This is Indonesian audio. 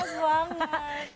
oh pelukin banget